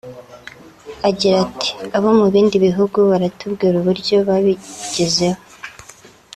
Agira ati “Abo mu bindi bihugu baratubwira uburyo babigezeho